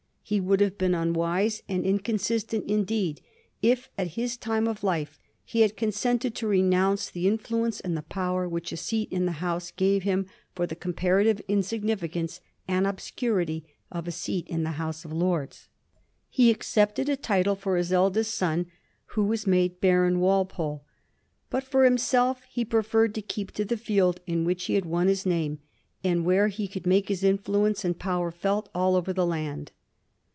He would have been unwise and inconsistent indeed if at his time of life he had consented to renounce the in fluence and the power which a seat in that House gave him for the comparative insignificance and obscurity of a seat in the House of Lords. He ac cepted a title for his eldest son, who was made Baron Walpole ; but for himself he preferred to keep to the field in which he had won his name, and where he could make his influence and power felt aU over the land.